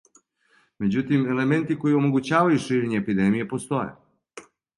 Међутим, елементи који омогућавају ширење епидемије постоје.